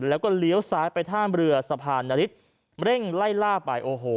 แล้วก็เลี้ยวซ้ายไปท่ามเรือสะพานนฤทธิ์เร่งไล่ล่าไปโอ้โห